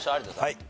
はい。